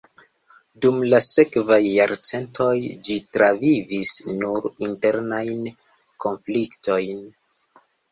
Dum la sekvaj jarcentoj ĝi travivis nur internajn konfliktojn.